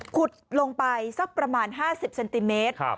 ขุดลงไปสักประมาณ๕๐เซนติเมตร